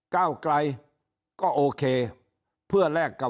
ก้าวไกลก็โอเค